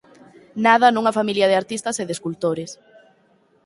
Nada nunha familia de artistas e de escultores.